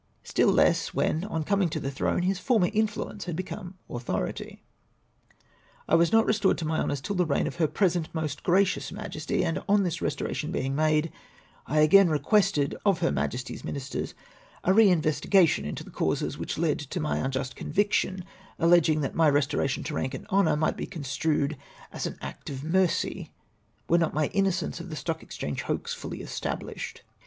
Still less when, on coming to the throne, his former influence had become authority. I was not restored to my honours till the reign of Her present Most Gracious Majesty, and on this restor ation bemg made, I again requested of Her Majesty's Ministers a reinvestigation into the causes which led to my unjust conviction, allegmg that my restoration to rank and honour might be construed into an act of mercy, were not my innocence of the Stock Exchange hoax fully established.